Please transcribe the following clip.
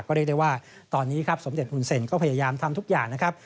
ก็เรียกได้ว่าตอนนี้ครับสมเด็จหุ่นเซ็นก็พยายามทำทุกอย่างนะครับ